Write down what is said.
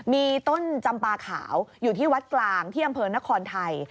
มีต้นจำปลาขาวอยู่ที่วัดกลางที่อำเภอนครไทย